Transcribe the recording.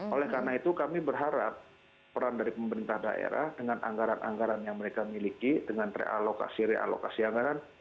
oleh karena itu kami berharap peran dari pemerintah daerah dengan anggaran anggaran yang mereka miliki dengan realokasi realokasi anggaran